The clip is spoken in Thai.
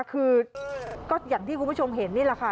คือก็อย่างที่คุณผู้ชมเห็นนี่แหละค่ะ